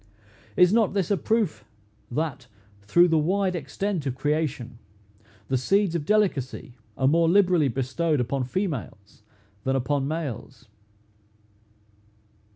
Is not this a proof, that, through the wide extent of creation, the seeds of delicacy are more liberally bestowed upon females than upon males?